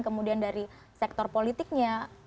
kemudian dari sektor politiknya